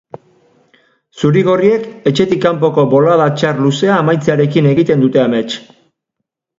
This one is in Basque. Zuri-gorriek etxetik kanpoko bolada txar luzea amaitzearekin egiten dute amets.